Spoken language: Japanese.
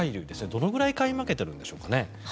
どのぐらい買い負けてるんでしょうかね。